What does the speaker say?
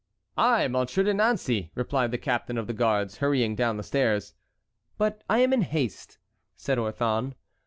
"I, Monsieur de Nancey," replied the captain of the guards, hurrying down the stairs. "But I am in haste," said Orthon.